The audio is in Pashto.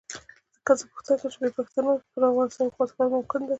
که زه پوښتنه وکړم چې بې پښتنو پر افغانستان حکومت کول ممکن دي.